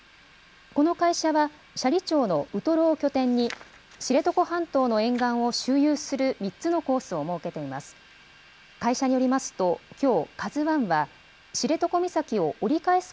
この会社は、斜里町のウトロを拠点に、知床半島の沿岸を周遊する３つのコースを設けています。